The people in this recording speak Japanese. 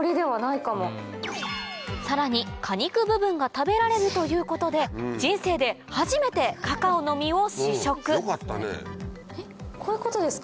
さらに果肉部分が食べられるということで人生で初めてカカオの実を試食えっこういうことですか？